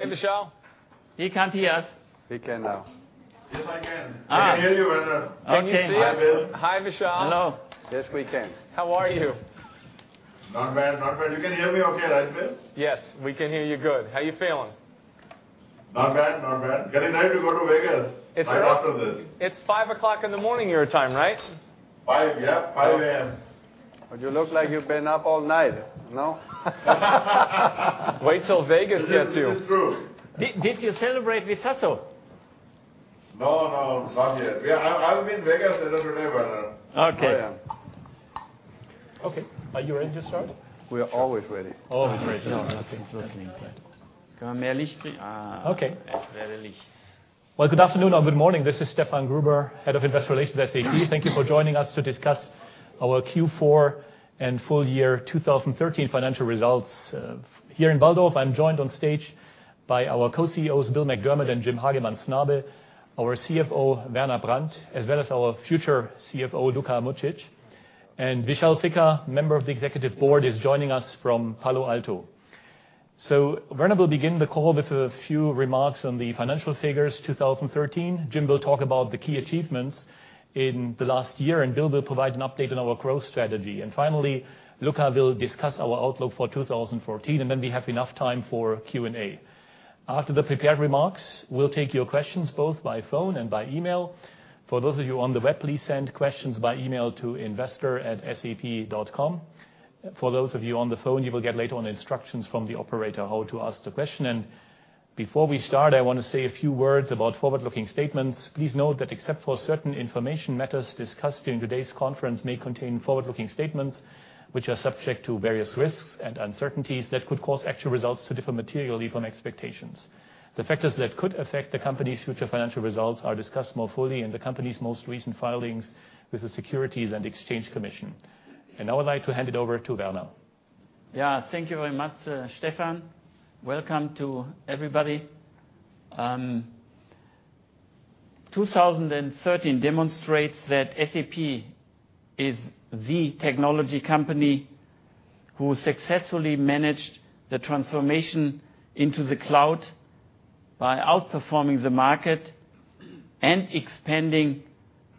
Hey, Vishal. He can't hear us. He can now. Yes, I can. I can hear you, Werner. Can you see us? Hi, Bill. Hi, Vishal. Hello. Yes, we can. How are you? Not bad. You can hear me okay, right, Bill? Yes, we can hear you good. How you feeling? Not bad. Getting ready to go to Vegas, right after this. It's five o'clock in the morning your time, right? Yep, 5:00 A.M. You look like you've been up all night, no? Wait till Vegas gets you. This is true. Did you celebrate with [Satou]? No, not yet. I will be in Vegas another day, Werner. Okay. I am. Okay. Are you ready to start? We are always ready. Always ready. No, nothing. It wasn't input. Can I have more light? Okay. There's the light. Good afternoon or good morning. This is Stefan Gruber, Head of Investor Relations at SAP. Thank you for joining us to discuss our Q4 and full year 2013 financial results. Here in Walldorf, I'm joined on stage by our Co-CEOs, Bill McDermott and Jim Hagemann Snabe, our CFO, Werner Brandt, as well as our future CFO, Luka Mucic. Vishal Sikka, Member of the Executive Board, is joining us from Palo Alto. Werner will begin the call with a few remarks on the financial figures 2013. Jim will talk about the key achievements in the last year. Bill will provide an update on our growth strategy. Finally, Luka will discuss our outlook for 2014. Then we have enough time for Q&A. After the prepared remarks, we'll take your questions both by phone and by email. For those of you on the web, please send questions by email to investor@sap.com. For those of you on the phone, you will get later on instructions from the operator how to ask the question. Before we start, I want to say a few words about forward-looking statements. Please note that except for certain information, matters discussed during today's conference may contain forward-looking statements, which are subject to various risks and uncertainties that could cause actual results to differ materially from expectations. The factors that could affect the company's future financial results are discussed more fully in the company's most recent filings with the Securities and Exchange Commission. Now I'd like to hand it over to Werner. Thank you very much, Stefan. Welcome to everybody. 2013 demonstrates that SAP is the technology company who successfully managed the transformation into the cloud by outperforming the market and expanding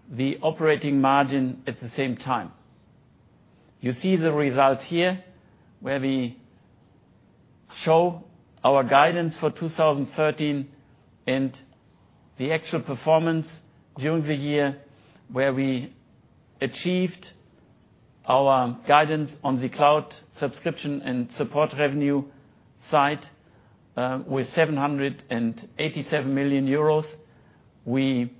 the operating margin at the same time. You see the results here, where we show our guidance for 2013 and the actual performance during the year, where we achieved our guidance on the cloud subscription and support revenue side with 787 million euros. We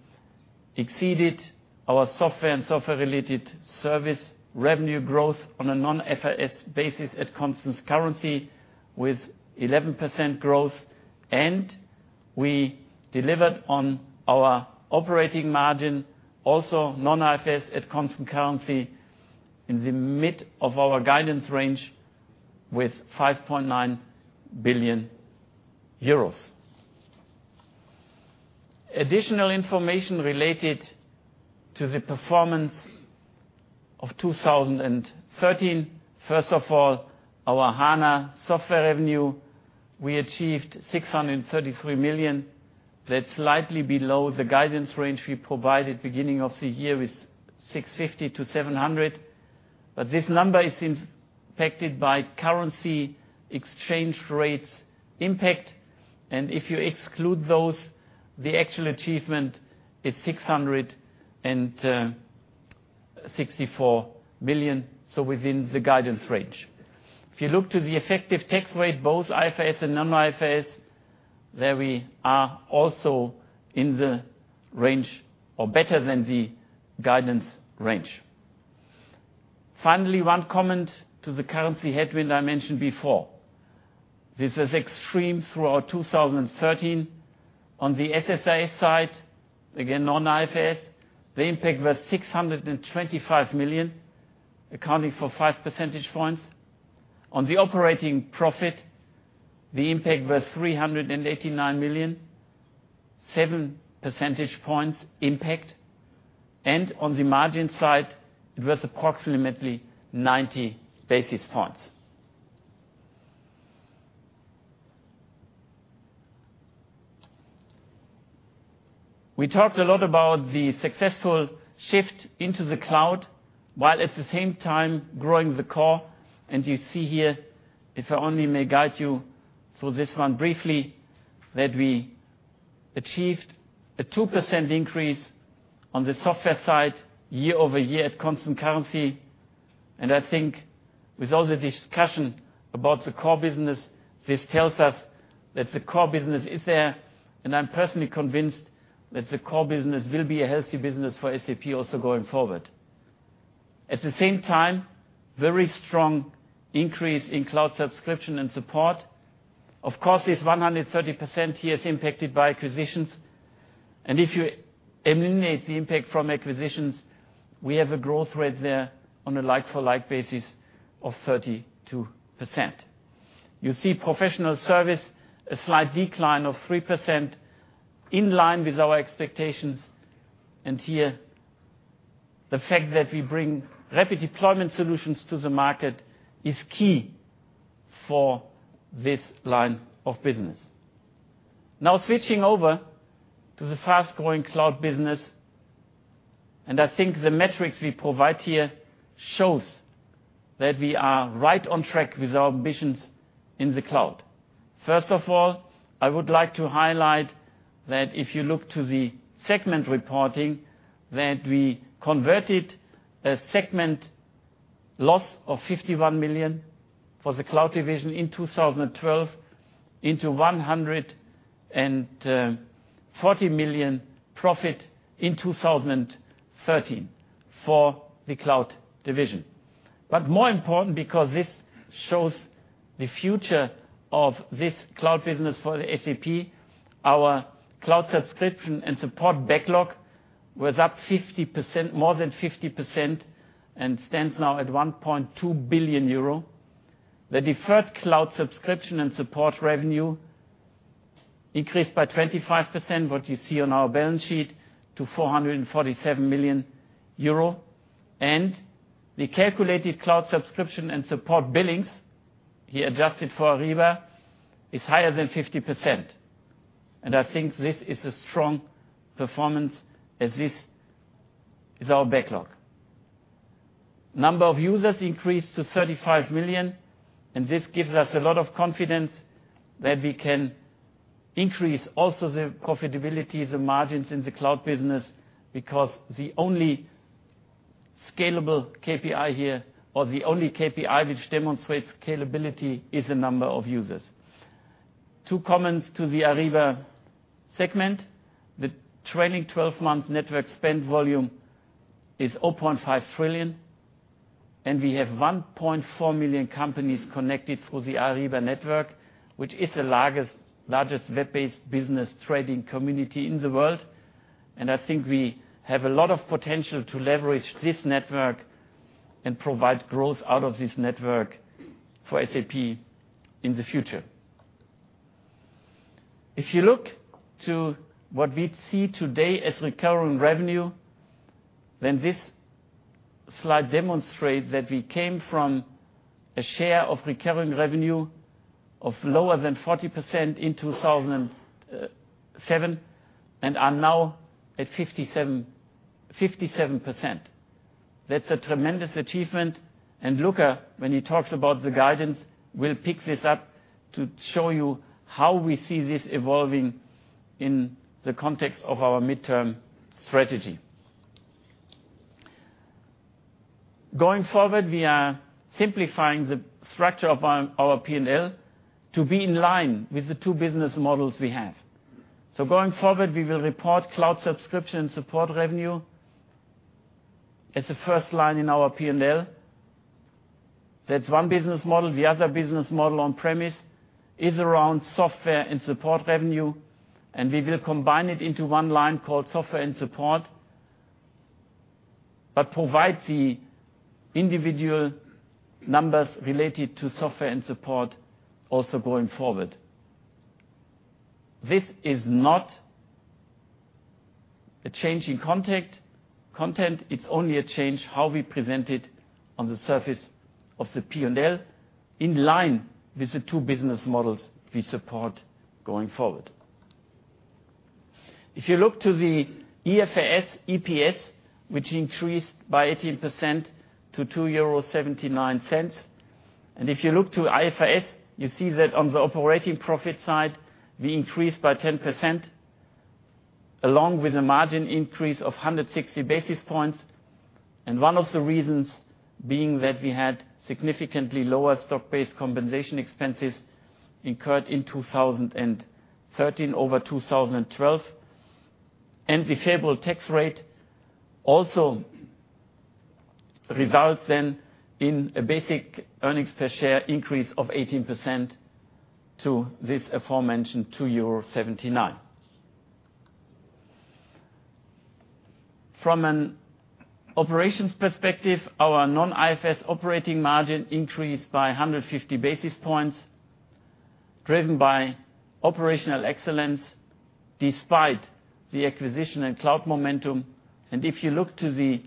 exceeded our software and software-related service revenue growth on a non-IFRS basis at constant currency with 11% growth. We delivered on our operating margin, also non-IFRS at constant currency, in the mid of our guidance range with EUR 5.9 billion. Additional information related to the performance of 2013. First of all, our SAP HANA software revenue, we achieved 633 million. That's slightly below the guidance range we provided beginning of the year with 650 to 700. This number is impacted by currency exchange rates impact. If you exclude those, the actual achievement is 664 million, so within the guidance range. If you look to the effective tax rate, both IFRS and non-IFRS, there we are also in the range or better than the guidance range. Finally, one comment to the currency headwind I mentioned before. This was extreme throughout 2013. On the SSRS side, again, non-IFRS, the impact was 625 million, accounting for five percentage points. On the operating profit, the impact was 389 million, seven percentage points impact. On the margin side, it was approximately 90 basis points. We talked a lot about the successful shift into the cloud, while at the same time growing the core. You see here, if I only may guide you through this one briefly, that we achieved a 2% increase on the software side year-over-year at constant currency. I think with all the discussion about the core business, this tells us that the core business is there. I'm personally convinced that the core business will be a healthy business for SAP also going forward. At the same time, very strong increase in cloud subscription and support. Of course, 130% here is impacted by acquisitions. If you eliminate the impact from acquisitions, we have a growth rate there on a like-for-like basis of 32%. You see professional service, a slight decline of 3%, in line with our expectations. The fact that we bring Rapid Deployment solutions to the market is key for this line of business. Now, switching over to the fast-growing cloud business. I think the metrics we provide here shows that we are right on track with our ambitions in the cloud. First of all, I would like to highlight that if you look to the segment reporting, that we converted a segment loss of 51 million for the cloud division in 2012, into 140 million profit in 2013 for the cloud division. More important, because this shows the future of this cloud business for SAP, our cloud subscription and support backlog was up more than 50% and stands now at 1.2 billion euro. The deferred cloud subscription and support revenue increased by 25%, what you see on our balance sheet, to 447 million euro. The calculated cloud subscription and support billings, here adjusted for Ariba, is higher than 50%. I think this is a strong performance as this is our backlog. Number of users increased to 35 million, and this gives us a lot of confidence that we can increase also the profitability, the margins in the cloud business, because the only scalable KPI here, or the only KPI which demonstrates scalability, is the number of users. Two comments to the Ariba segment. The trailing 12 months network spend volume is 0.5 trillion, and we have 1.4 million companies connected through the Ariba Network, which is the largest web-based business trading community in the world. I think we have a lot of potential to leverage this network and provide growth out of this network for SAP in the future. If you look to what we'd see today as recurring revenue, then this slide demonstrate that we came from a share of recurring revenue of lower than 40% in 2007, and are now at 57%. That's a tremendous achievement. Luka, when he talks about the guidance, will pick this up to show you how we see this evolving in the context of our midterm strategy. Going forward, we are simplifying the structure of our P&L to be in line with the two business models we have. Going forward, we will report cloud subscription and support revenue as a first line in our P&L. That's one business model. The other business model on premise is around software and support revenue, and we will combine it into one line called software and support. Provide the individual numbers related to software and support also going forward. This is not a change in content, it's only a change how we present it on the surface of the P&L in line with the two business models we support going forward. If you look to the IFRS EPS, which increased by 18% to 2.79 euro. If you look to IFRS, you see that on the operating profit side, we increased by 10%, along with a margin increase of 160 basis points. One of the reasons being that we had significantly lower stock-based compensation expenses incurred in 2013 over 2012. The favorable tax rate also results then in a basic earnings per share increase of 18% to this aforementioned EUR 2.79. From an operations perspective, our non-IFRS operating margin increased by 150 basis points, driven by operational excellence despite the acquisition and cloud momentum. If you look to the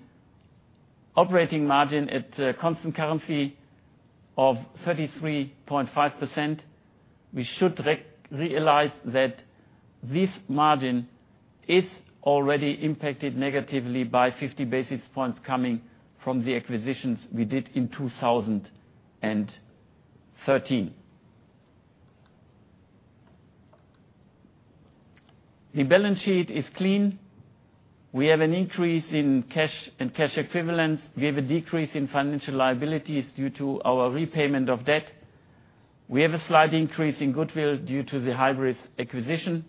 operating margin at constant currency of 33.5%, we should realize that this margin is already impacted negatively by 50 basis points coming from the acquisitions we did in 2013. The balance sheet is clean. We have an increase in cash and cash equivalents. We have a decrease in financial liabilities due to our repayment of debt. We have a slight increase in goodwill due to the Hybris acquisition.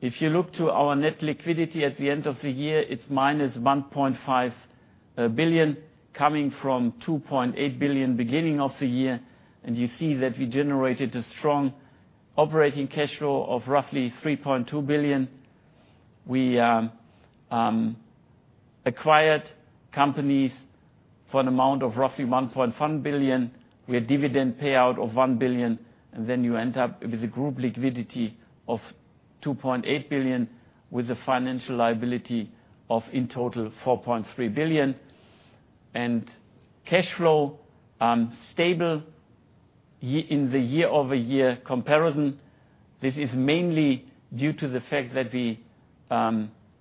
If you look to our net liquidity at the end of the year, it's minus 1.5 billion, coming from 2.8 billion beginning of the year. You see that we generated a strong operating cash flow of roughly 3.2 billion. We acquired companies for an amount of roughly 1.1 billion, we had dividend payout of 1 billion, and then you end up with a group liquidity of 2.8 billion, with a financial liability of, in total, 4.3 billion. Cash flow stable in the year-over-year comparison. This is mainly due to the fact that we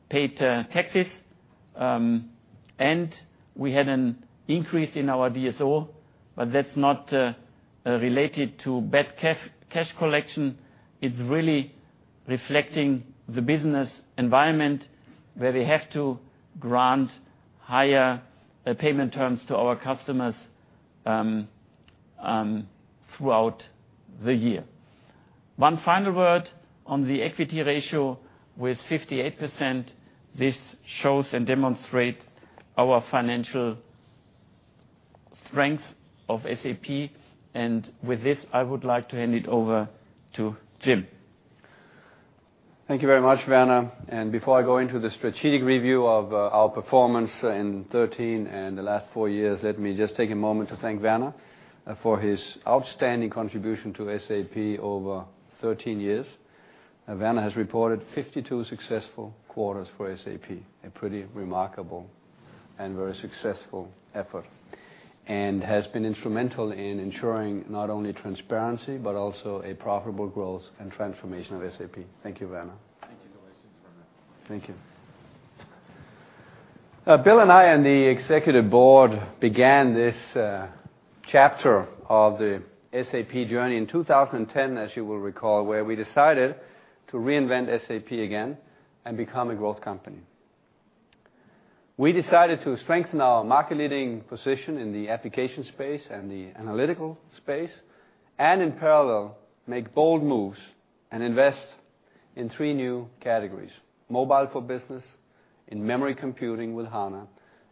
paid taxes, and we had an increase in our DSO, but that's not related to bad cash collection. It's really reflecting the business environment, where we have to grant higher payment terms to our customers throughout the year. One final word on the equity ratio with 58%, this shows and demonstrates our financial strength of SAP. With this, I would like to hand it over to Jim. Thank you very much, Werner. Before I go into the strategic review of our performance in 2013 and the last four years, let me just take a moment to thank Werner for his outstanding contribution to SAP over 13 years. Werner has reported 52 successful quarters for SAP, a pretty remarkable and very successful effort, and has been instrumental in ensuring not only transparency, but also a profitable growth and transformation of SAP. Thank you, Werner. Thank you. Thank you. Bill and I and the executive board began this chapter of the SAP journey in 2010, as you will recall, where we decided to reinvent SAP again and become a growth company. We decided to strengthen our market-leading position in the application space and the analytical space, and in parallel, make bold moves and invest in 3 new categories, mobile for business, in-memory computing with HANA,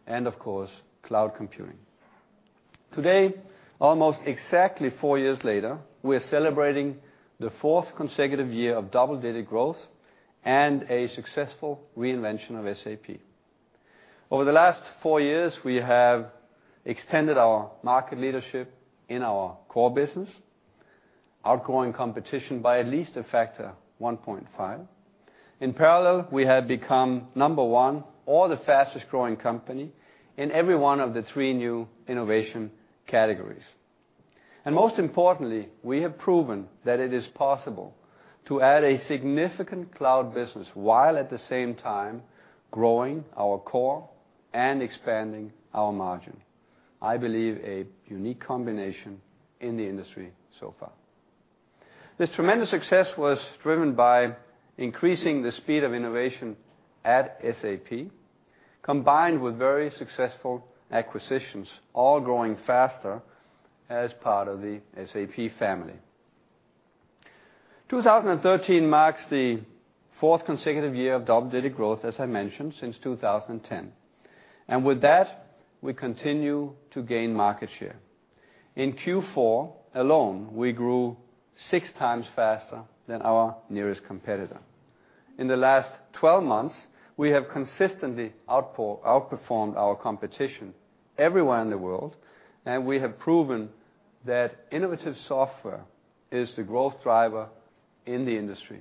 and of course, cloud computing. Today, almost exactly four years later, we are celebrating the fourth consecutive year of double-digit growth and a successful reinvention of SAP. Over the last four years, we have extended our market leadership in our core business, outgrowing competition by at least a factor 1.5. In parallel, we have become number one or the fastest growing company in every one of the 3 new innovation categories. Most importantly, we have proven that it is possible to add a significant cloud business while at the same time growing our core and expanding our margin. I believe a unique combination in the industry so far. This tremendous success was driven by increasing the speed of innovation at SAP, combined with very successful acquisitions, all growing faster as part of the SAP family. 2013 marks the fourth consecutive year of double-digit growth, as I mentioned, since 2010. With that, we continue to gain market share. In Q4 alone, we grew six times faster than our nearest competitor. In the last 12 months, we have consistently outperformed our competition everywhere in the world, and we have proven that innovative software is the growth driver in the industry,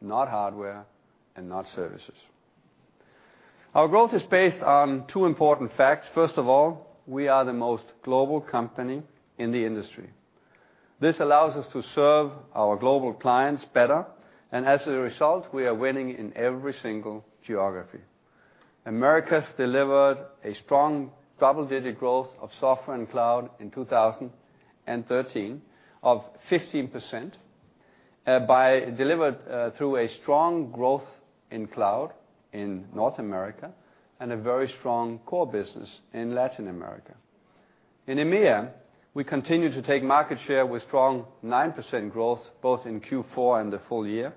not hardware and not services. Our growth is based on two important facts. First of all, we are the most global company in the industry. This allows us to serve our global clients better, and as a result, we are winning in every single geography. Americas delivered a strong double-digit growth of software and cloud in 2013 of 15%, delivered through a strong growth in cloud in North America and a very strong core business in Latin America. In EMEA, we continue to take market share with strong 9% growth, both in Q4 and the full year,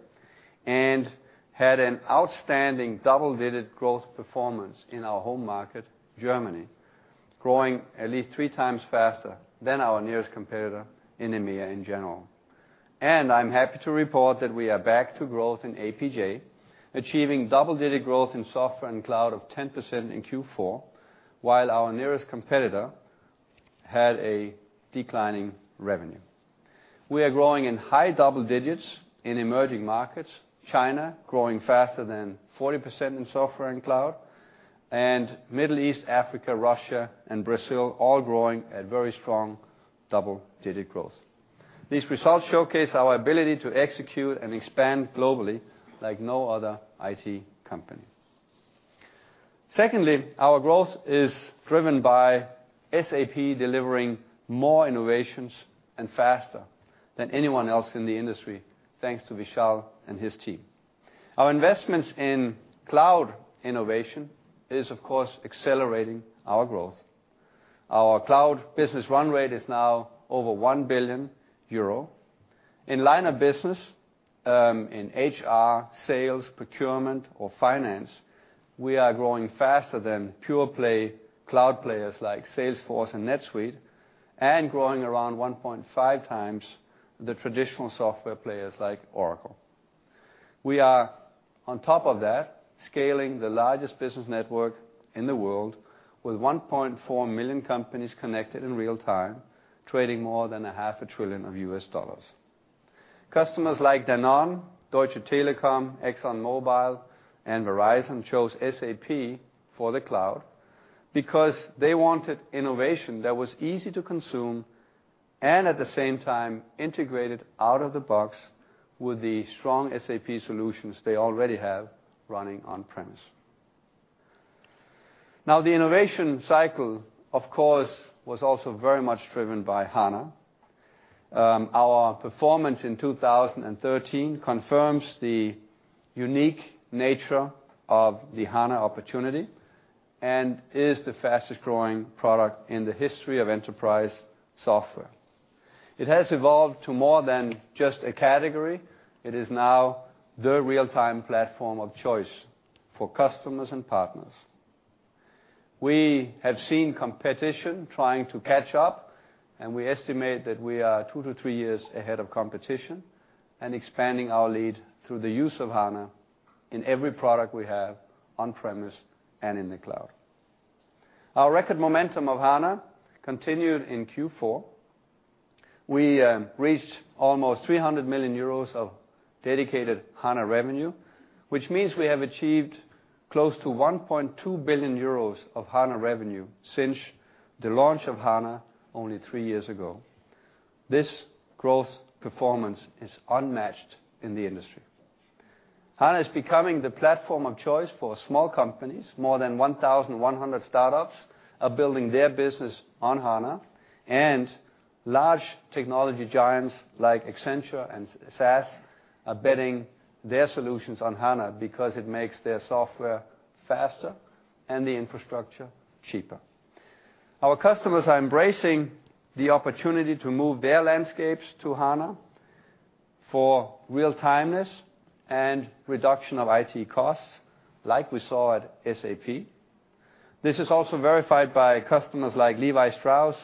and had an outstanding double-digit growth performance in our home market, Germany, growing at least three times faster than our nearest competitor in EMEA in general. I'm happy to report that we are back to growth in APJ, achieving double-digit growth in software and cloud of 10% in Q4, while our nearest competitor had a declining revenue. We are growing in high double digits in emerging markets, China growing faster than 40% in software and cloud, and Middle East, Africa, Russia, and Brazil all growing at very strong double-digit growth. Secondly, our growth is driven by SAP delivering more innovations and faster than anyone else in the industry, thanks to Vishal and his team. Our investments in cloud innovation is, of course, accelerating our growth. Our cloud business run rate is now over 1 billion euro. In line of business, in HR, sales, procurement, or finance, we are growing faster than pure-play cloud players like Salesforce and NetSuite, and growing around 1.5 times the traditional software players like Oracle. We are, on top of that, scaling the largest business network in the world with 1.4 million companies connected in real time, trading more than a half a trillion of U.S. dollars. Customers like Danone, Deutsche Telekom, Exxon Mobil, and Verizon chose SAP for the cloud because they wanted innovation that was easy to consume and, at the same time, integrated out of the box with the strong SAP solutions they already have running on-premise. The innovation cycle, of course, was also very much driven by HANA. Our performance in 2013 confirms the unique nature of the HANA opportunity and is the fastest-growing product in the history of enterprise software. It has evolved to more than just a category. It is now the real-time platform of choice for customers and partners. We have seen competition trying to catch up. We estimate that we are two to three years ahead of competition and expanding our lead through the use of HANA in every product we have on-premise and in the cloud. Our record momentum of HANA continued in Q4. We reached almost 300 million euros of dedicated HANA revenue, which means we have achieved close to 1.2 billion euros of HANA revenue since the launch of HANA only three years ago. This growth performance is unmatched in the industry. HANA is becoming the platform of choice for small companies. More than 1,100 startups are building their business on HANA, and large technology giants like Accenture and SAS are betting their solutions on HANA because it makes their software faster and the infrastructure cheaper. Our customers are embracing the opportunity to move their landscapes to HANA for real-timeness and reduction of IT costs, like we saw at SAP. This is also verified by customers like Levi Strauss,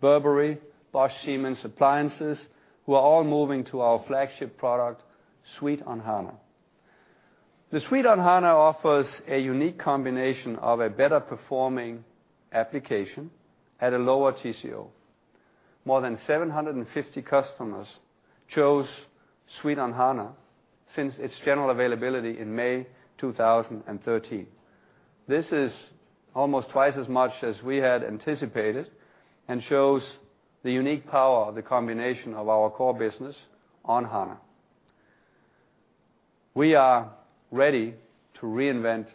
Burberry, Bosch, Siemens, Appliances, who are all moving to our flagship product, Suite on HANA. The Suite on HANA offers a unique combination of a better-performing application at a lower TCO. More than 750 customers chose Suite on HANA since its general availability in May 2013. This is almost twice as much as we had anticipated and shows the unique power of the combination of our core business on HANA. We are ready to reinvent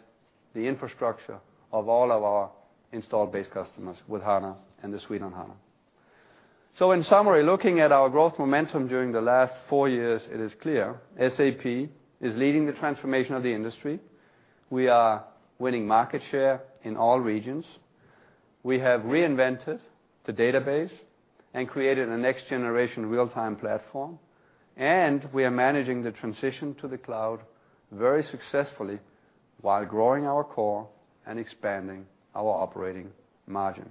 the infrastructure of all of our installed base customers with HANA and the Suite on HANA. In summary, looking at our growth momentum during the last four years, it is clear SAP is leading the transformation of the industry. We are winning market share in all regions. We have reinvented the database and created a next-generation real-time platform. We are managing the transition to the cloud very successfully while growing our core and expanding our operating margin.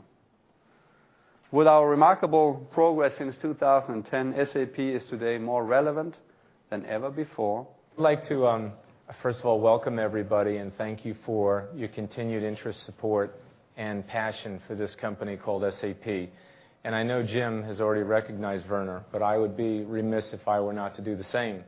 With our remarkable progress since 2010, SAP is today more relevant than ever before. I'd like to, first of all, welcome everybody and thank you for your continued interest, support, and passion for this company called SAP. I know Jim has already recognized Werner, but I would be remiss if I were not to do the same.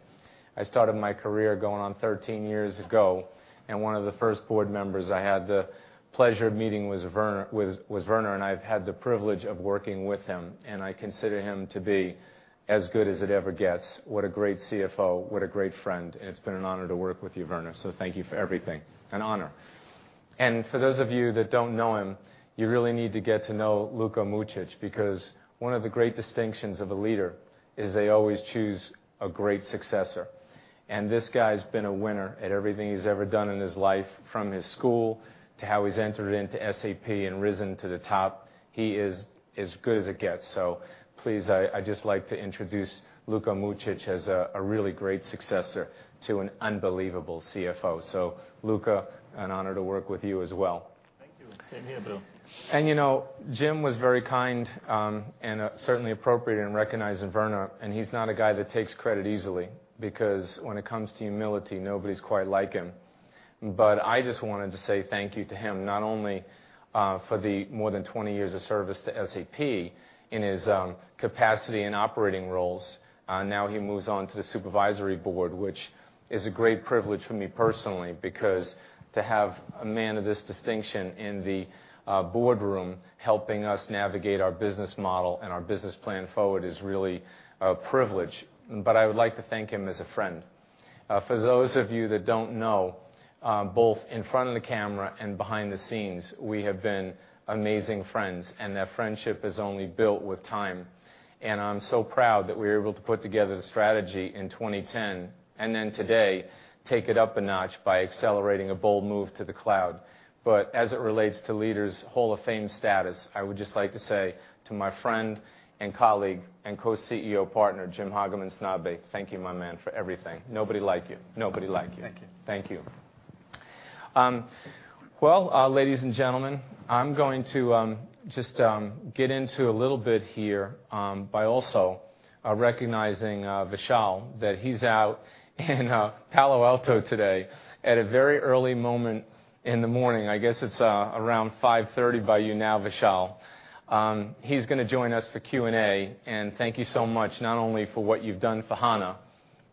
I started my career going on 13 years ago. One of the first board members I had the pleasure of meeting was Werner. I've had the privilege of working with him. I consider him to be as good as it ever gets. What a great CFO, what a great friend. It's been an honor to work with you, Werner, thank you for everything. An honor. For those of you that don't know him, you really need to get to know Luka Mucic, because one of the great distinctions of a leader is they always choose a great successor. This guy has been a winner at everything he's ever done in his life, from his school to how he's entered into SAP and risen to the top. He is as good as it gets. Please, I'd just like to introduce Luka Mucic as a really great successor to an unbelievable CFO. Luka, an honor to work with you as well. Thank you. Same here, Bill. Jim was very kind, and certainly appropriate in recognizing Werner, and he's not a guy that takes credit easily, because when it comes to humility, nobody's quite like him. I just wanted to say thank you to him, not only for the more than 20 years of service to SAP in his capacity and operating roles. Now he moves on to the supervisory board, which is a great privilege for me personally, because to have a man of this distinction in the boardroom helping us navigate our business model and our business plan forward is really a privilege. I would like to thank him as a friend. For those of you that don't know, both in front of the camera and behind the scenes, we have been amazing friends, and that friendship has only built with time. I'm so proud that we were able to put together the strategy in 2010, and then today, take it up a notch by accelerating a bold move to the cloud. As it relates to leaders' hall of fame status, I would just like to say to my friend and colleague and co-CEO partner, Jim Hagemann Snabe, thank you, my man, for everything. Nobody like you. Nobody like you. Thank you. Thank you. Well, ladies and gentlemen, I'm going to just get into a little bit here by also recognizing Vishal, that he's out in Palo Alto today at a very early moment in the morning. I guess it's around 5:30 A.M. by you now, Vishal. He's going to join us for Q&A, and thank you so much not only for what you've done for HANA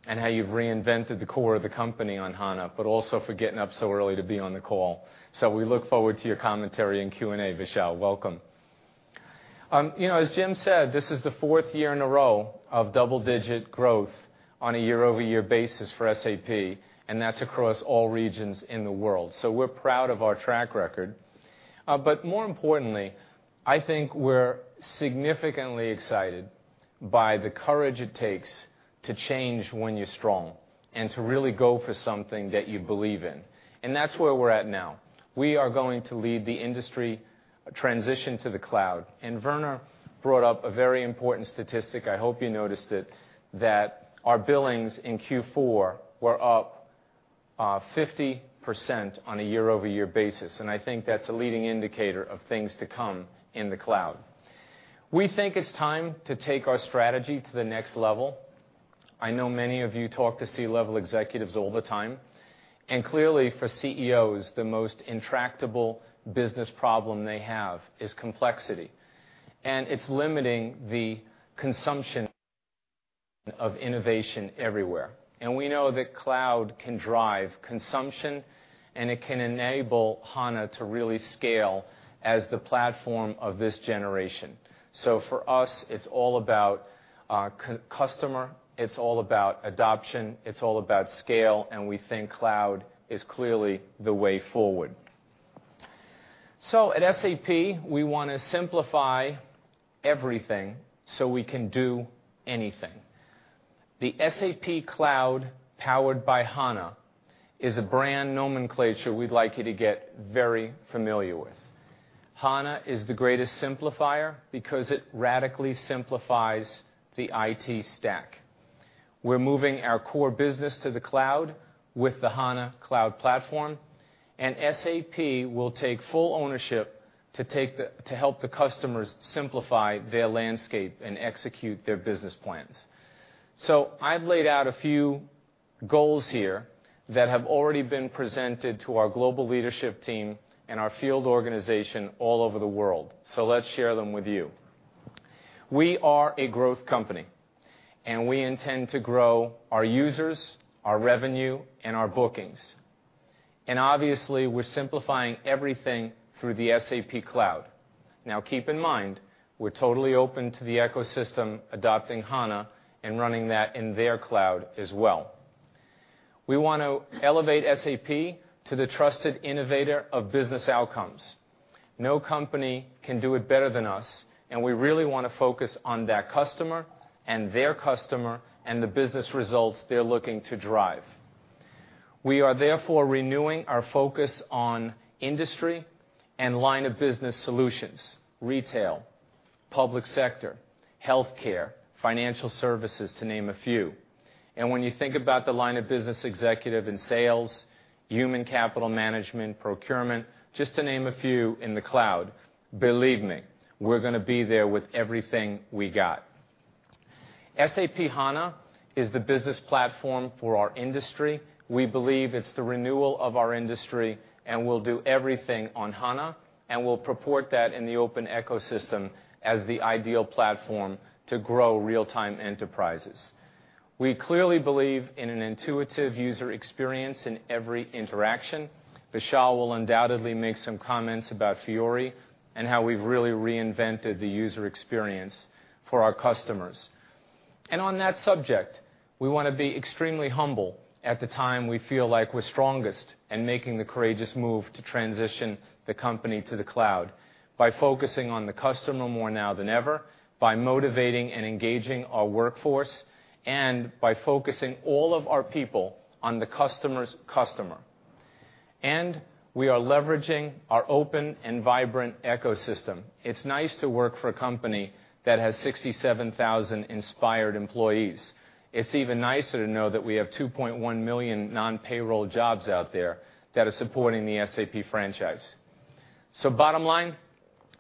and how you've reinvented the core of the company on HANA, but also for getting up so early to be on the call. We look forward to your commentary in Q&A, Vishal. Welcome. As Jim said, this is the fourth year in a row of double-digit growth on a year-over-year basis for SAP, and that's across all regions in the world. We're proud of our track record. More importantly, I think we're significantly excited by the courage it takes to change when you're strong and to really go for something that you believe in. That's where we're at now. We are going to lead the industry transition to the cloud, and Werner brought up a very important statistic, I hope you noticed it, that our billings in Q4 were up 50% on a year-over-year basis, and I think that's a leading indicator of things to come in the cloud. We think it's time to take our strategy to the next level. I know many of you talk to C-level executives all the time, and clearly for CEOs, the most intractable business problem they have is complexity. It's limiting the consumption of innovation everywhere. We know that cloud can drive consumption, and it can enable HANA to really scale as the platform of this generation. For us, it's all about customer, it's all about adoption, it's all about scale, and we think cloud is clearly the way forward. At SAP, we want to simplify everything, so we can do anything. The SAP Cloud, powered by HANA, is a brand nomenclature we'd like you to get very familiar with. HANA is the greatest simplifier because it radically simplifies the IT stack. We're moving our core business to the cloud with the HANA Cloud Platform, and SAP will take full ownership to help the customers simplify their landscape and execute their business plans. I've laid out a few goals here that have already been presented to our global leadership team and our field organization all over the world. Let's share them with you. We are a growth company, we intend to grow our users, our revenue, and our bookings. Obviously, we're simplifying everything through the SAP Cloud. Keep in mind, we're totally open to the ecosystem adopting HANA and running that in their cloud as well. We want to elevate SAP to the trusted innovator of business outcomes. No company can do it better than us, we really want to focus on that customer and their customer and the business results they're looking to drive. We are therefore renewing our focus on industry and line of business solutions, retail, public sector, healthcare, financial services, to name a few. When you think about the line of business executive and sales, human capital management, procurement, just to name a few in the cloud, believe me, we're going to be there with everything we got. SAP HANA is the business platform for our industry. We believe it's the renewal of our industry, we'll do everything on HANA, we'll purport that in the open ecosystem as the ideal platform to grow real-time enterprises. We clearly believe in an intuitive user experience in every interaction. Vishal will undoubtedly make some comments about Fiori and how we've really reinvented the user experience for our customers. On that subject, we want to be extremely humble at the time we feel like we're strongest making the courageous move to transition the company to the cloud by focusing on the customer more now than ever, by motivating and engaging our workforce, by focusing all of our people on the customer's customer. We are leveraging our open and vibrant ecosystem. It's nice to work for a company that has 67,000 inspired employees. It's even nicer to know that we have 2.1 million non-payroll jobs out there that are supporting the SAP franchise. Bottom line,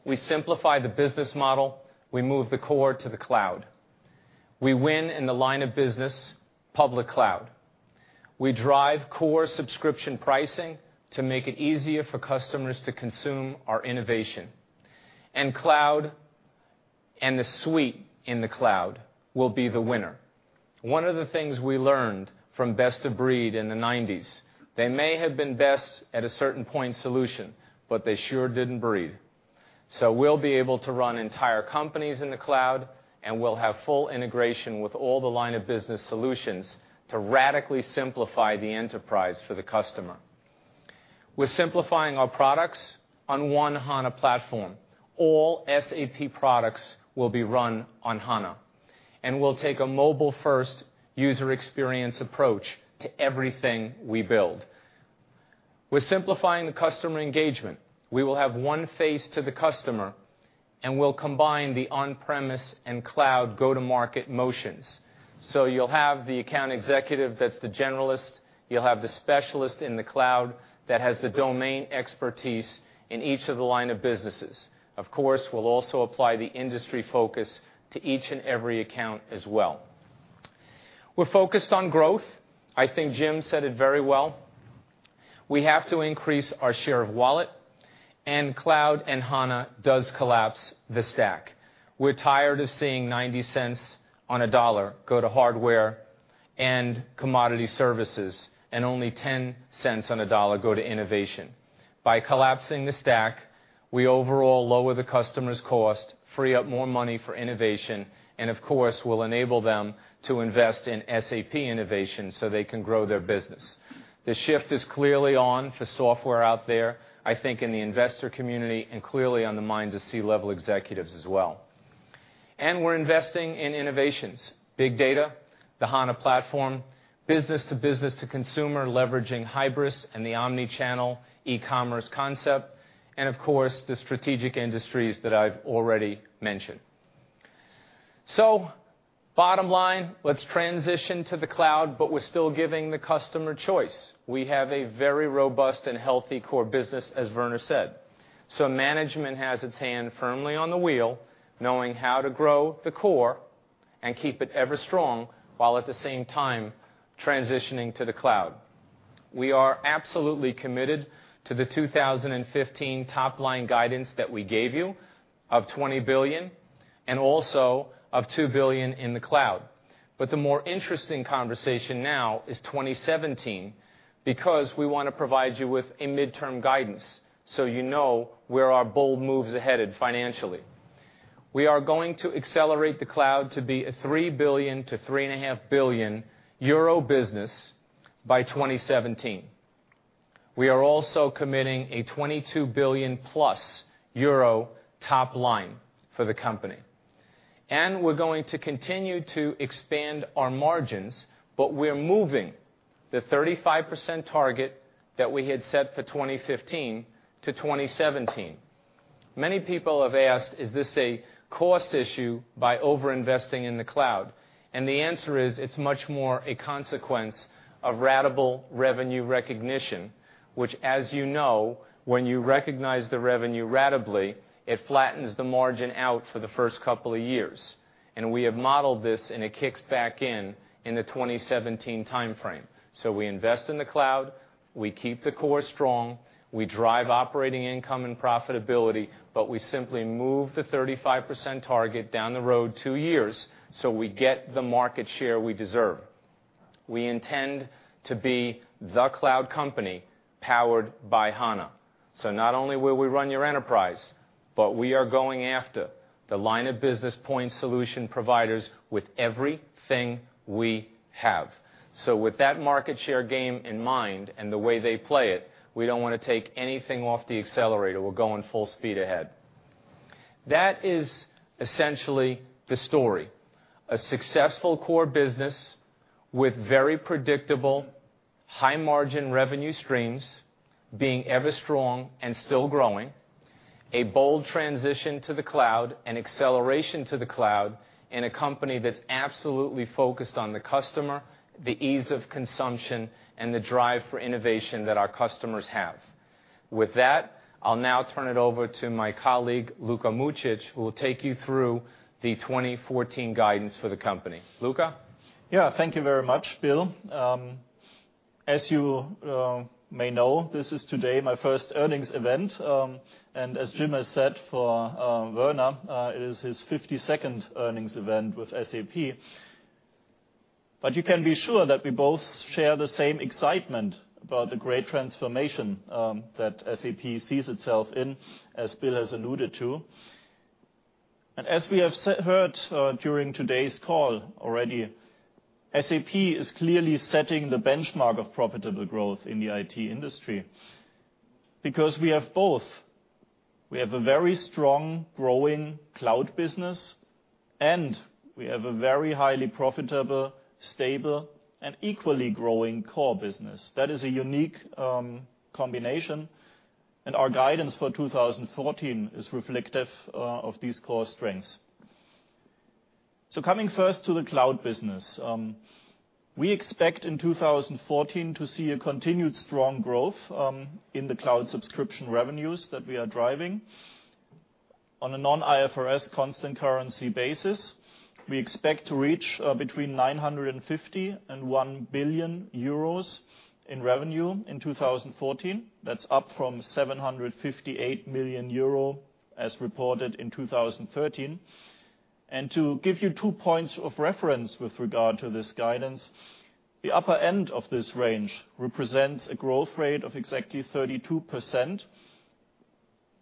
we simplify the business model, we move the core to the cloud. We win in the line of business public cloud. We drive core subscription pricing to make it easier for customers to consume our innovation. Cloud, and the suite in the cloud, will be the winner. One of the things we learned from best of breed in the '90s, they may have been best at a certain point solution, they sure didn't breed. We'll be able to run entire companies in the cloud, we'll have full integration with all the line of business solutions to radically simplify the enterprise for the customer. We're simplifying our products on one HANA platform. All SAP products will be run on HANA. We'll take a mobile-first user experience approach to everything we build. We're simplifying the customer engagement. We will have one face to the customer. We'll combine the on-premise and cloud go-to-market motions. You'll have the account executive that's the generalist, you'll have the specialist in the cloud that has the domain expertise in each of the line of businesses. Of course, we'll also apply the industry focus to each and every account as well. We're focused on growth. I think Jim said it very well. We have to increase our share of wallet, cloud and HANA does collapse the stack. We're tired of seeing $0.90 on $1 go to hardware and commodity services, only $0.10 on $1 go to innovation. By collapsing the stack, we overall lower the customer's cost, free up more money for innovation, and of course, we'll enable them to invest in SAP innovation so they can grow their business. The shift is clearly on for software out there, I think in the investor community, and clearly on the minds of C-level executives as well. We're investing in innovations, big data, the HANA platform, business to business to consumer leveraging Hybris and the omni-channel e-commerce concept, and of course, the strategic industries that I've already mentioned. Bottom line, let's transition to the cloud, but we're still giving the customer choice. We have a very robust and healthy core business, as Werner said. Management has its hand firmly on the wheel, knowing how to grow the core and keep it ever strong, while at the same time transitioning to the cloud. We are absolutely committed to the 2015 top-line guidance that we gave you of 20 billion, and also of 2 billion in the cloud. The more interesting conversation now is 2017, because we want to provide you with a midterm guidance so you know where our bold move's headed financially. We are going to accelerate the cloud to be a 3 billion to 3.5 billion euro business by 2017. We are also committing a 22 billion euro plus top line for the company. We're going to continue to expand our margins, but we are moving the 35% target that we had set for 2015 to 2017. Many people have asked, is this a cost issue by overinvesting in the cloud? The answer is, it's much more a consequence of ratable revenue recognition, which, as you know, when you recognize the revenue ratably, it flattens the margin out for the first couple of years. We have modeled this, and it kicks back in in the 2017 timeframe. We invest in the cloud, we keep the core strong, we drive operating income and profitability, but we simply move the 35% target down the road two years, so we get the market share we deserve. We intend to be the cloud company powered by HANA. Not only will we run your enterprise, but we are going after the line-of-business point solution providers with everything we have. With that market share game in mind and the way they play it, we don't want to take anything off the accelerator. We're going full speed ahead. That is essentially the story. A successful core business with very predictable high-margin revenue streams being ever strong and still growing, a bold transition to the cloud and acceleration to the cloud, and a company that's absolutely focused on the customer, the ease of consumption, and the drive for innovation that our customers have. With that, I'll now turn it over to my colleague, Luka Mucic, who will take you through the 2014 guidance for the company. Luka? Thank you very much, Bill. As you may know, this is today my first earnings event. As Jim has said for Werner, it is his 52nd earnings event with SAP. You can be sure that we both share the same excitement about the great transformation that SAP sees itself in, as Bill has alluded to. As we have heard during today's call already, SAP is clearly setting the benchmark of profitable growth in the IT industry. Because we have both. We have a very strong, growing cloud business, and we have a very highly profitable, stable, and equally growing core business. That is a unique combination, and our guidance for 2014 is reflective of these core strengths. Coming first to the cloud business. We expect in 2014 to see a continued strong growth in the cloud subscription revenues that we are driving. On a non-IFRS constant currency basis, we expect to reach between 950 and 1 billion euros in revenue in 2014. That's up from 758 million euro as reported in 2013. To give you two points of reference with regard to this guidance, the upper end of this range represents a growth rate of exactly 32%,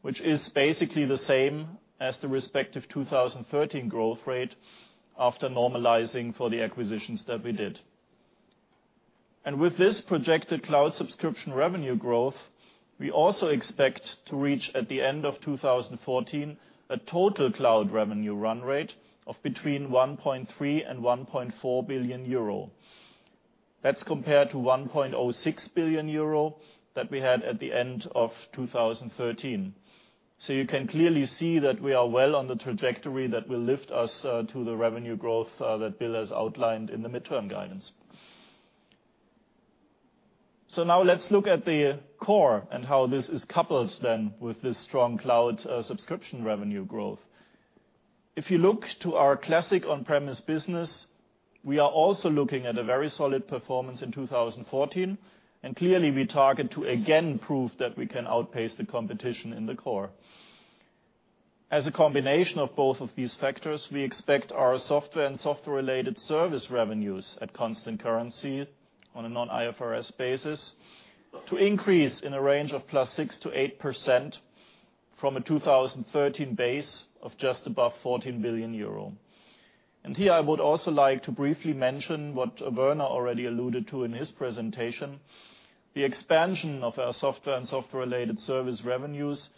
which is basically the same as the respective 2013 growth rate after normalizing for the acquisitions that we did. With this projected cloud subscription revenue growth, we also expect to reach, at the end of 2014, a total cloud revenue run rate of between 1.3 billion and 1.4 billion euro. That's compared to 1.06 billion euro that we had at the end of 2013. You can clearly see that we are well on the trajectory that will lift us to the revenue growth that Bill has outlined in the midterm guidance. Now let's look at the core and how this is coupled then with this strong cloud subscription revenue growth. If you look to our classic on-premise business, we are also looking at a very solid performance in 2014, and clearly we target to again prove that we can outpace the competition in the core. As a combination of both of these factors, we expect our software and software-related service revenues at constant currency, on a non-IFRS basis, to increase in a range of +6% to 8% from a 2013 base of just above 14 billion euro. Here I would also like to briefly mention what Werner already alluded to in his presentation. The expansion of our software and software-related service revenues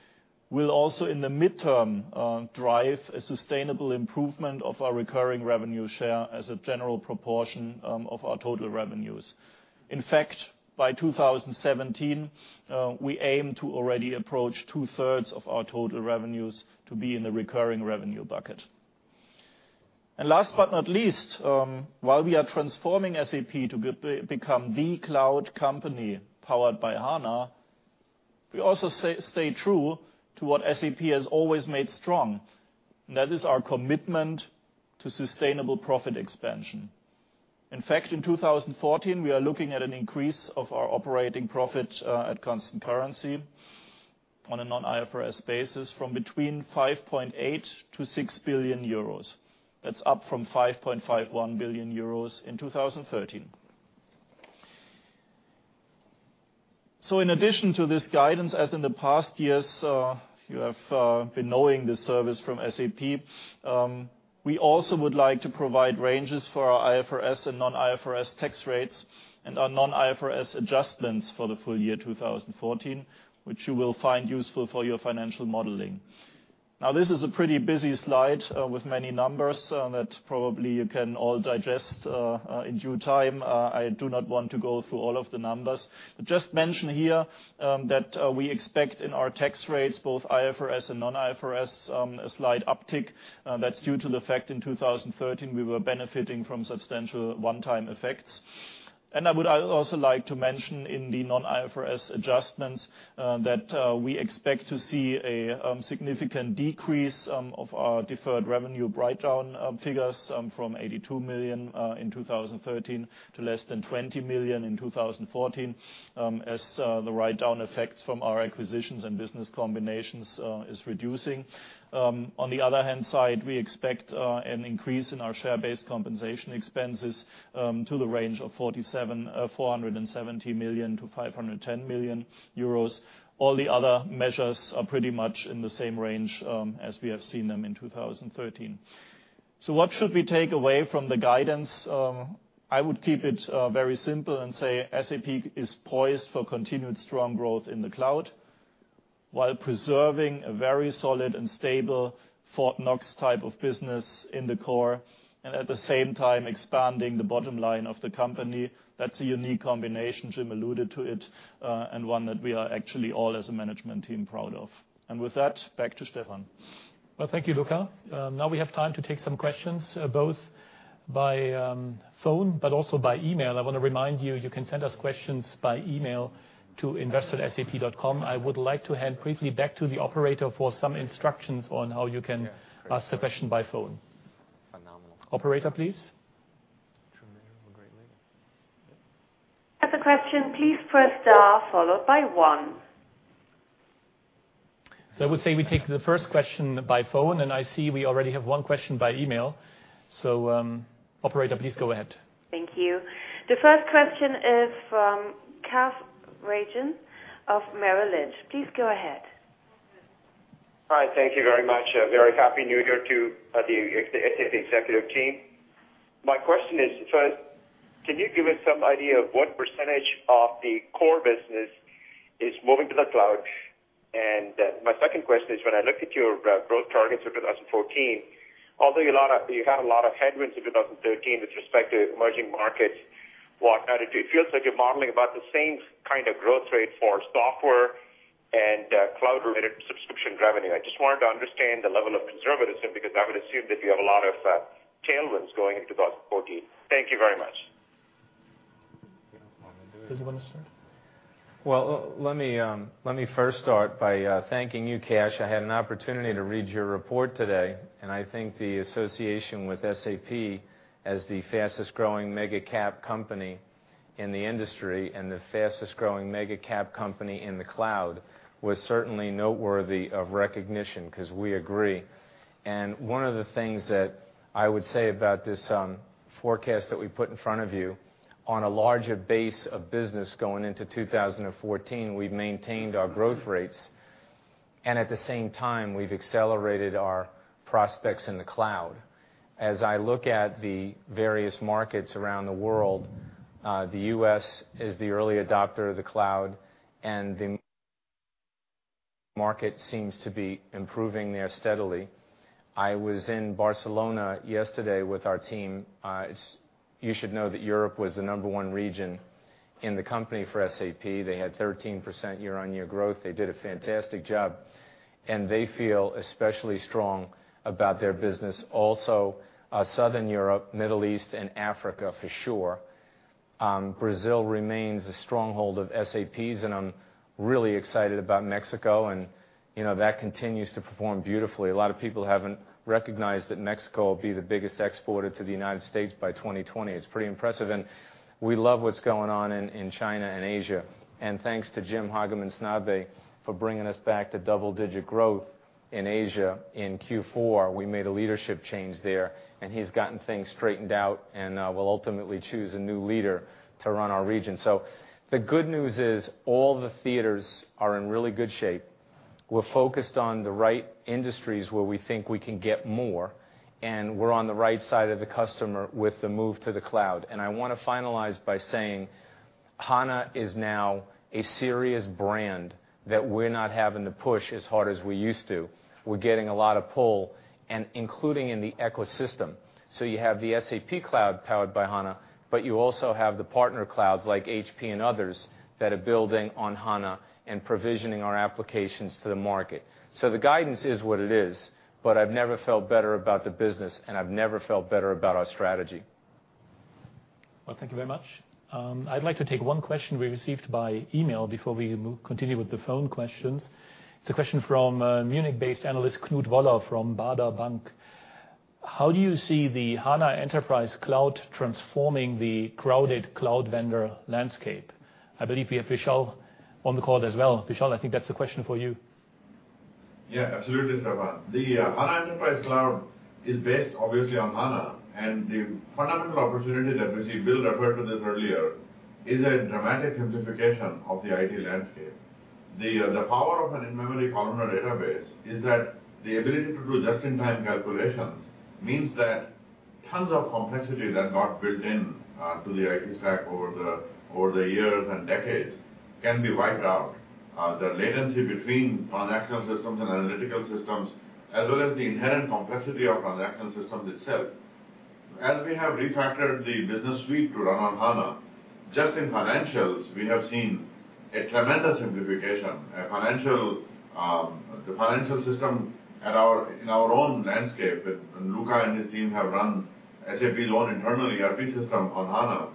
will also, in the midterm, drive a sustainable improvement of our recurring revenue share as a general proportion of our total revenues. In fact, by 2017, we aim to already approach two-thirds of our total revenues to be in the recurring revenue bucket. Last but not least, while we are transforming SAP to become the cloud company powered by HANA, we also stay true to what SAP has always made strong, and that is our commitment to sustainable profit expansion. In fact, in 2014, we are looking at an increase of our operating profit at constant currency on a non-IFRS basis from between 5.8 billion to 6 billion euros. That's up from 5.51 billion euros in 2013. In addition to this guidance, as in the past years, you have been knowing this service from SAP, we also would like to provide ranges for our IFRS and non-IFRS tax rates and our non-IFRS adjustments for the full year 2014, which you will find useful for your financial modeling. This is a pretty busy slide with many numbers that probably you can all digest in due time. I do not want to go through all of the numbers. I just mention here that we expect in our tax rates, both IFRS and non-IFRS, a slight uptick. That's due to the fact in 2013, we were benefiting from substantial one-time effects. I would also like to mention in the non-IFRS adjustments that we expect to see a significant decrease of our deferred revenue write-down figures from 82 million in 2013 to less than 20 million in 2014, as the write-down effects from our acquisitions and business combinations is reducing. On the other hand side, we expect an increase in our share-based compensation expenses to the range of 470 million-510 million euros. All the other measures are pretty much in the same range as we have seen them in 2013. What should we take away from the guidance? I would keep it very simple and say SAP is poised for continued strong growth in the cloud while preserving a very solid and stable Fort Knox type of business in the core, and at the same time expanding the bottom line of the company. That's a unique combination, Jim alluded to it, and one that we are actually all as a management team proud of. With that, back to Stefan. Thank you, Luka. Now we have time to take some questions, both by phone but also by email. I want to remind you can send us questions by email to investor@sap.com. I would like to hand briefly back to the operator for some instructions on how you can ask a question by phone. Operator, please. To ask a question, please press star followed by one. I would say we take the first question by phone, I see we already have one question by email. Operator, please go ahead. Thank you. The first question is from Kash Rangan of Merrill Lynch. Please go ahead. Hi. Thank you very much. A very happy new year to the SAP executive team. My question is, first, can you give us some idea of what % of the core business is moving to the cloud? My second question is, when I look at your growth targets for 2014, although you had a lot of headwinds in 2013 with respect to emerging markets, whatnot, it feels like you're modeling about the same kind of growth rate for software and cloud-related subscription revenue. I just wanted to understand the level of conservatism, because I would assume that you have a lot of tailwinds going into 2014. Thank you very much. Does he want to start? Well, let me first start by thanking you, Kash. I had an opportunity to read your report today, and I think the association with SAP as the fastest-growing mega-cap company in the industry and the fastest-growing mega-cap company in the cloud was certainly noteworthy of recognition, because we agree. One of the things that I would say about this forecast that we put in front of you, on a larger base of business going into 2014, we've maintained our growth rates, and at the same time, we've accelerated our prospects in the cloud. As I look at the various markets around the world, the U.S. is the early adopter of the cloud. Market seems to be improving there steadily. I was in Barcelona yesterday with our team. You should know that Europe was the number 1 region in the company for SAP. They had 13% year-over-year growth. They did a fantastic job, and they feel especially strong about their business. Southern Europe, Middle East, and Africa for sure. Brazil remains a stronghold of SAP's, and I'm really excited about Mexico and that continues to perform beautifully. A lot of people haven't recognized that Mexico will be the biggest exporter to the U.S. by 2020. It's pretty impressive. We love what's going on in China and Asia. Thanks to Jim Hagemann Snabe for bringing us back to double-digit growth in Asia in Q4. We made a leadership change there, and he's gotten things straightened out, and we'll ultimately choose a new leader to run our region. The good news is all the theaters are in really good shape. We're focused on the right industries where we think we can get more, and we're on the right side of the customer with the move to the cloud. I want to finalize by saying HANA is now a serious brand that we're not having to push as hard as we used to. We're getting a lot of pull, and including in the ecosystem. You have the SAP cloud powered by HANA, but you also have the partner clouds like HP and others that are building on HANA and provisioning our applications to the market. The guidance is what it is. I've never felt better about the business, and I've never felt better about our strategy. Well, thank you very much. I'd like to take one question we received by email before we continue with the phone questions. It's a question from Munich-based analyst, Knut Woller from Baader Bank. How do you see the HANA Enterprise Cloud transforming the crowded cloud vendor landscape? I believe we have Vishal on the call as well. Vishal, I think that's a question for you. Absolutely, Stefan. The HANA Enterprise Cloud is based obviously on HANA, the fundamental opportunity that we see, Bill referred to this earlier, is a dramatic simplification of the IT landscape. The power of an in-memory column database is that the ability to do just-in-time calculations means that tons of complexity that got built in to the IT stack over the years and decades can be wiped out. The latency between transactional systems and analytical systems, as well as the inherent complexity of transactional systems itself. As we have refactored the business suite to run on HANA, just in financials, we have seen a tremendous simplification. The financial system in our own landscape, and Luka and his team have run SAP Loans Management internally, ERP system on HANA,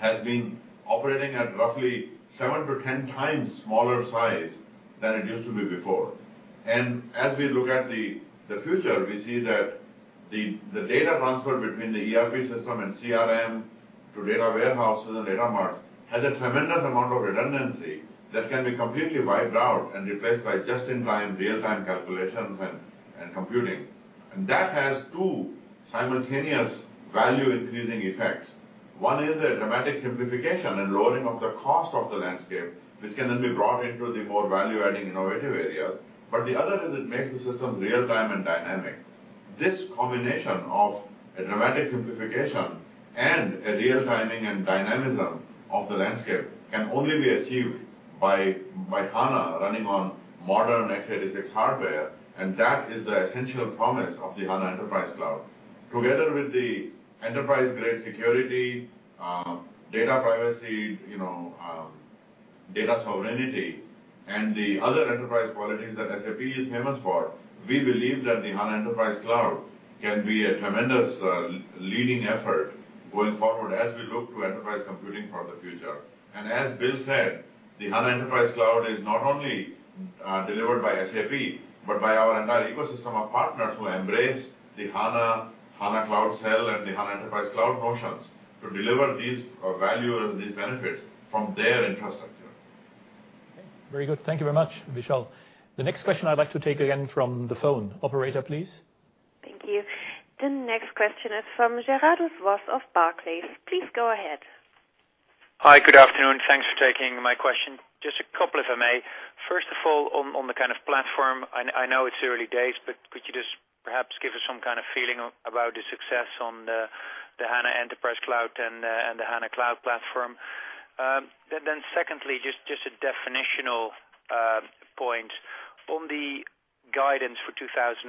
has been operating at roughly seven to 10 times smaller size than it used to be before. As we look at the future, we see that the data transfer between the ERP system and CRM to data warehouses and data mart has a tremendous amount of redundancy that can be completely wiped out and replaced by just-in-time real-time calculations and computing. That has two simultaneous value-increasing effects. One is a dramatic simplification and lowering of the cost of the landscape, which can then be brought into the more value-adding innovative areas. The other is it makes the system real-time and dynamic. This combination of a dramatic simplification and a real-time and dynamism of the landscape can only be achieved by HANA running on modern x86 hardware, and that is the essential promise of the HANA Enterprise Cloud. Together with the enterprise-grade security, data privacy, data sovereignty, and the other enterprise qualities that SAP is famous for, we believe that the HANA Enterprise Cloud can be a tremendous leading effort going forward as we look to enterprise computing for the future. As Bill said, the HANA Enterprise Cloud is not only delivered by SAP, but by our entire ecosystem of partners who embrace the SAP HANA Cloud Platform and the HANA Enterprise Cloud motions to deliver these value and these benefits from their infrastructure. Very good. Thank you very much, Vishal. The next question I'd like to take again from the phone. Operator, please. Thank you. The next question is from Gerardus Vos of Barclays. Please go ahead. Hi. Good afternoon. Thanks for taking my question. Just a couple, if I may. First of all, on the kind of platform, I know it's early days, but could you just perhaps give us some kind of feeling about the success on the SAP HANA Enterprise Cloud and the SAP HANA Cloud Platform? Secondly, just a definitional point. On the guidance for 2017,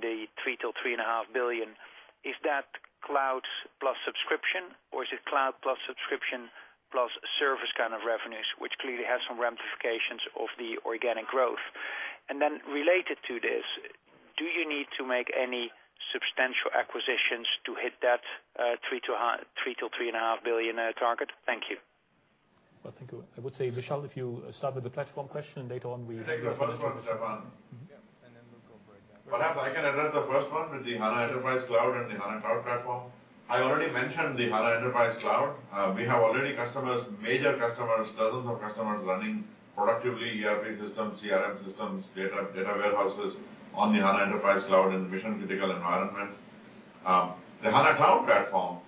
the 3 billion-3.5 billion, is that cloud plus subscription, or is it cloud plus subscription plus service kind of revenues, which clearly has some ramifications of the organic growth? Related to this, do you need to make any substantial acquisitions to hit that 3 billion-3.5 billion target? Thank you. Well, thank you. I would say, Vishal, if you start with the platform question. I can take the first one, Stefan. Yeah, we'll go right back. Perhaps I can address the first one with the HANA Enterprise Cloud and the HANA Cloud Platform. I already mentioned the HANA Enterprise Cloud. We have already major customers, dozens of customers running productively ERP systems, CRM systems, data warehouses on the HANA Enterprise Cloud in mission-critical environments. The HANA Cloud Platform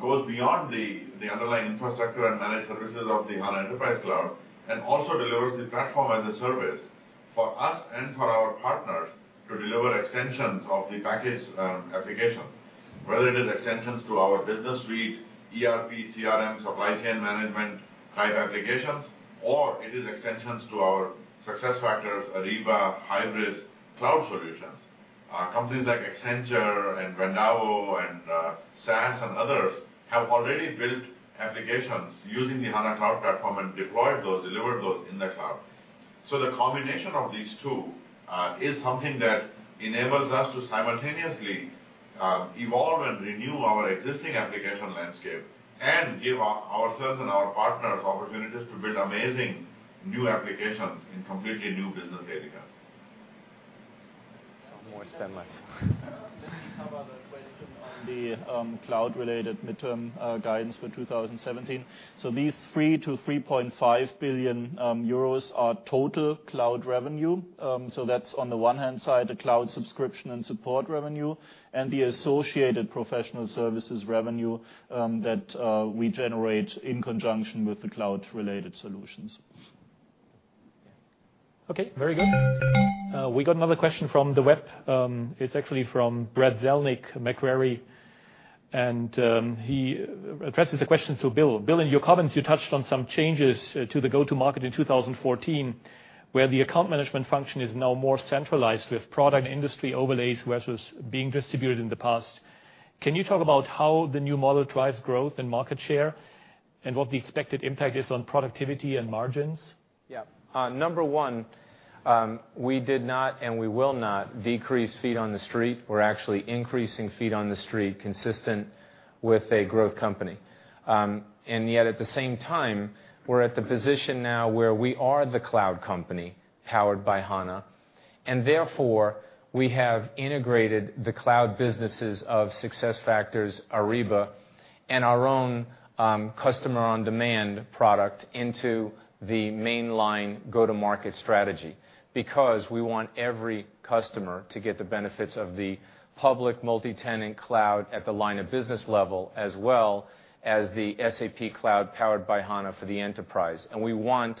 goes beyond the underlying infrastructure and managed services of the HANA Enterprise Cloud and also delivers the platform as a service for us and for our partners to deliver extensions of the package applications. Whether it is extensions to our Business Suite, ERP, CRM, supply chain management type applications, or it is extensions to our SuccessFactors, Ariba, Hybris cloud solutions. Companies like Accenture and Vendavo and SAS and others have already built applications using the HANA Cloud Platform and deployed those, delivered those in the cloud. The combination of these two is something that enables us to simultaneously evolve and renew our existing application landscape and give ourselves and our partners opportunities to build amazing new applications in completely new business verticals. More seamless. Let me cover the question on the cloud-related midterm guidance for 2017. These 3-3.5 billion euros are total cloud revenue. That's on the one hand side, the cloud subscription and support revenue and the associated professional services revenue that we generate in conjunction with the cloud-related solutions. Okay, very good. We got another question from the web. It's actually from Brad Zelnick, Macquarie, and he addresses the question to Bill. Bill, in your comments, you touched on some changes to the go-to market in 2014, where the account management function is now more centralized with product industry overlays, whereas it was being distributed in the past. Can you talk about how the new model drives growth and market share and what the expected impact is on productivity and margins? Yeah. Number 1, we did not and we will not decrease feet on the street. We're actually increasing feet on the street consistent with a growth company. Yet at the same time, we're at the position now where we are the cloud company powered by HANA, therefore, we have integrated the cloud businesses of SuccessFactors, Ariba, and our own Customer OnDemand product into the mainline go-to-market strategy. We want every customer to get the benefits of the public multi-tenant cloud at the line of business level, as well as the SAP cloud powered by HANA for the enterprise. We want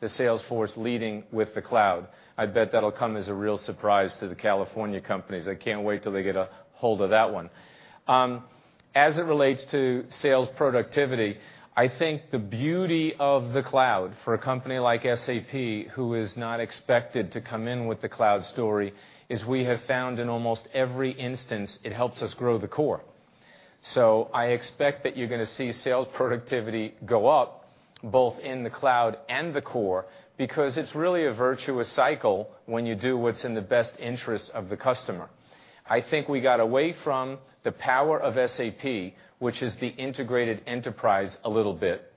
the sales force leading with the cloud. I bet that'll come as a real surprise to the California companies. I can't wait till they get a hold of that one. As it relates to sales productivity, I think the beauty of the cloud for a company like SAP, who is not expected to come in with the cloud story, is we have found in almost every instance, it helps us grow the core. I expect that you're going to see sales productivity go up, both in the cloud and the core, because it's really a virtuous cycle when you do what's in the best interest of the customer. I think we got away from the power of SAP, which is the integrated enterprise a little bit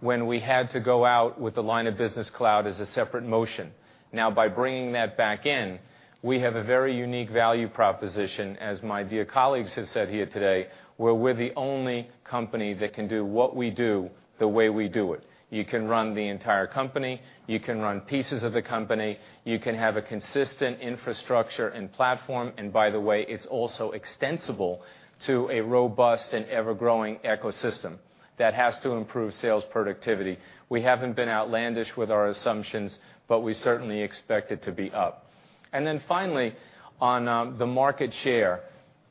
when we had to go out with the line of business cloud as a separate motion. Now by bringing that back in, we have a very unique value proposition, as my dear colleagues have said here today, where we're the only company that can do what we do the way we do it. You can run the entire company. You can run pieces of the company. You can have a consistent infrastructure and platform. By the way, it's also extensible to a robust and ever-growing ecosystem. That has to improve sales productivity. We haven't been outlandish with our assumptions, but we certainly expect it to be up. Then finally, on the market share.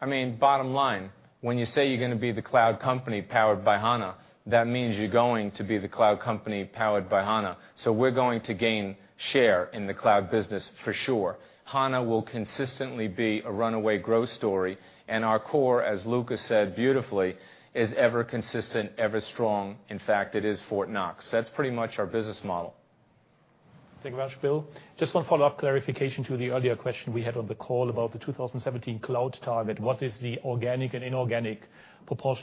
Bottom line, when you say you're going to be the cloud company powered by HANA, that means you're going to be the cloud company powered by HANA. We're going to gain share in the cloud business for sure. HANA will consistently be a runaway growth story, and our core, as Luka said beautifully, is ever consistent, ever strong. In fact, it is Fort Knox. That's pretty much our business model. Thank you very much, Bill. Just one follow-up clarification to the earlier question we had on the call about the 2017 cloud target. What is the organic and inorganic proportion?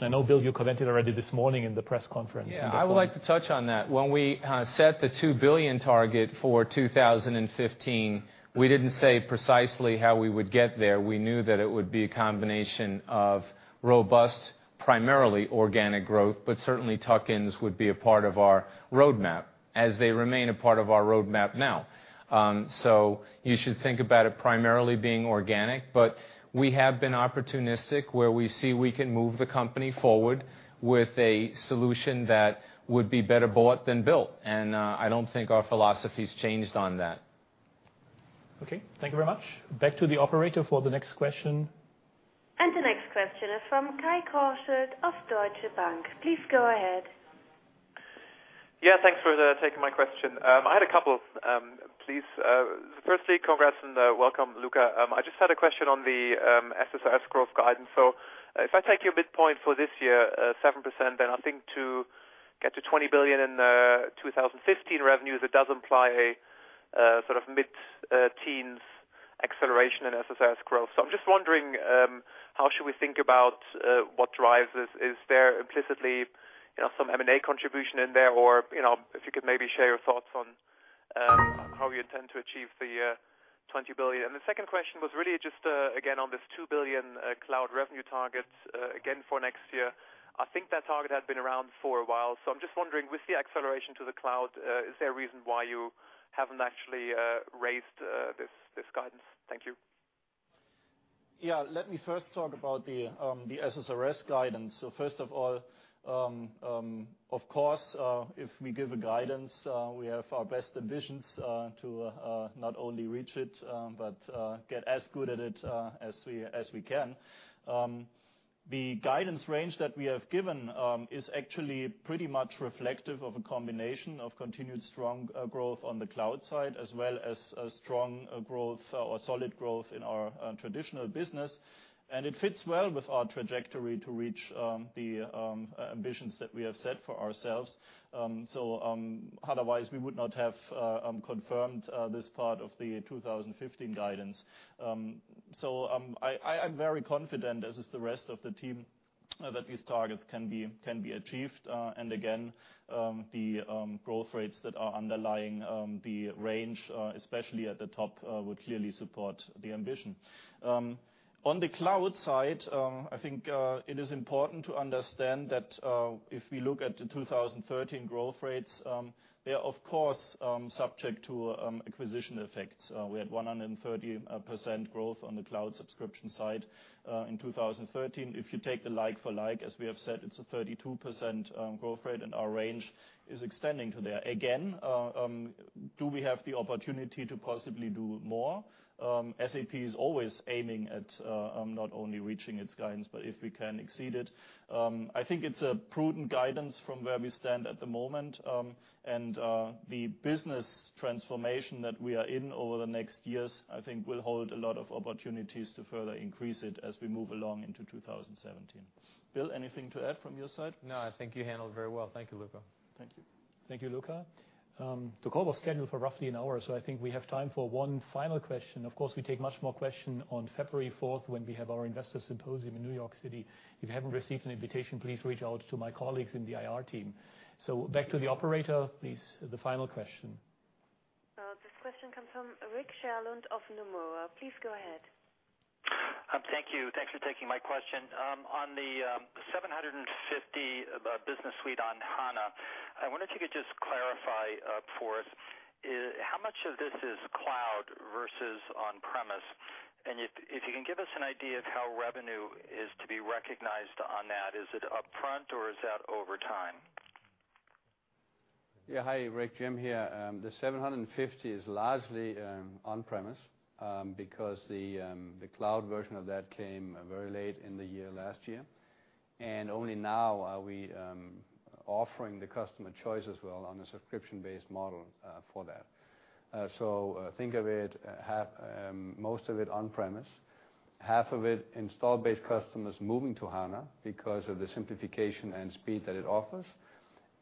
I know, Bill, you commented already this morning in the press conference. Yeah, I would like to touch on that. When we set the 2 billion target for 2015, we didn't say precisely how we would get there. We knew that it would be a combination of robust, primarily organic growth, but certainly tuck-ins would be a part of our roadmap as they remain a part of our roadmap now. You should think about it primarily being organic, but we have been opportunistic where we see we can move the company forward with a solution that would be better bought than built. I don't think our philosophy's changed on that. Okay. Thank you very much. Back to the operator for the next question. The next question is from Kai Kauscher of Deutsche Bank. Please go ahead. Thanks for taking my question. I had a couple, please. Firstly, congrats and welcome, Luka. I just had a question on the SSRS growth guidance. If I take your midpoint for this year, 7%, then I think to get to 20 billion in 2015 revenues, it does imply a sort of mid-teens acceleration in SSRS growth. I'm just wondering, how should we think about what drives this? Is there implicitly some M&A contribution in there? Or if you could maybe share your thoughts on how you intend to achieve the 20 billion. The second question was really just, again, on this 2 billion cloud revenue target again for next year. I think that target had been around for a while. I'm just wondering, with the acceleration to the cloud, is there a reason why you haven't actually raised this guidance? Thank you. Yeah. Let me first talk about the SSRS guidance. First of all, of course, if we give a guidance, we have our best ambitions to not only reach it, but get as good at it as we can. The guidance range that we have given is actually pretty much reflective of a combination of continued strong growth on the cloud side, as well as strong growth or solid growth in our traditional business. It fits well with our trajectory to reach the ambitions that we have set for ourselves. Otherwise, we would not have confirmed this part of the 2015 guidance. I'm very confident, as is the rest of the team, that these targets can be achieved. Again, the growth rates that are underlying the range, especially at the top, would clearly support the ambition. On the cloud side, I think it is important to understand that if we look at the 2013 growth rates, they are, of course, subject to acquisition effects. We had 130% growth on the cloud subscription side in 2013. If you take the like for like, as we have said, it's a 32% growth rate, and our range is extending to there. Again, do we have the opportunity to possibly do more? SAP is always aiming at not only reaching its guidance, but if we can exceed it. I think it's a prudent guidance from where we stand at the moment. The business transformation that we are in over the next years, I think will hold a lot of opportunities to further increase it as we move along into 2017. Bill, anything to add from your side? No, I think you handled it very well. Thank you, Luka. Thank you. Thank you, Luka. The call was scheduled for roughly an hour, so I think we have time for one final question. Of course, we take much more question on February 4th when we have our investor symposium in New York City. If you haven't received an invitation, please reach out to my colleagues in the IR team. Back to the operator, please, the final question. This question comes from Rick Sherlund of Nomura. Please go ahead. Thank you. Thanks for taking my question. On the 750 SAP Business Suite on HANA, I wonder if you could just clarify for us, how much of this is cloud versus on premise? If you can give us an idea of how revenue is to be recognized on that, is it upfront or is that over time? Yeah. Hi, Rick, Jim here. The 750 is largely on premise because the cloud version of that came very late in the year last year. Only now are we offering the customer choice as well on a subscription-based model for that. Think of it, most of it on premise, half of it install-based customers moving to HANA because of the simplification and speed that it offers.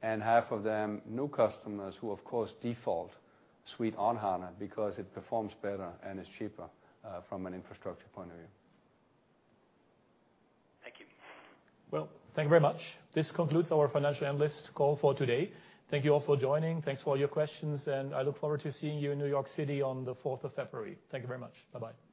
Half of them new customers who, of course, default Suite on HANA because it performs better and is cheaper from an infrastructure point of view. Thank you. Well, thank you very much. This concludes our financial analyst call for today. Thank you all for joining. Thanks for all your questions, I look forward to seeing you in New York City on the 4th of February. Thank you very much. Bye-bye. Thank you.